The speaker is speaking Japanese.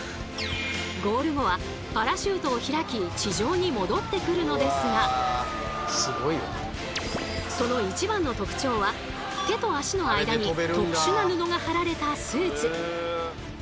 ゴール後はパラシュートを開き地上に戻ってくるのですがその一番の特徴は手と足の間に特殊な布が張られたスーツ。